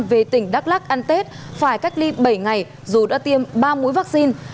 về tỉnh đắk lắc ăn tết phải cách ly bảy ngày dù đã tiêm ba mũi vaccine